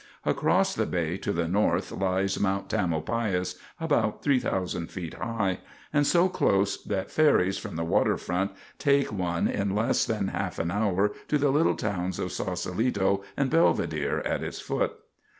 Across the bay to the north lies Mount Tamalpais, about 3,000 feet high, and so close that ferries from the waterfront take one in less than half an hour to the little towns of Sausalito and Belvidere, at its foot.